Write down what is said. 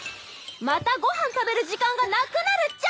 またご飯食べる時間がなくなるっちゃ。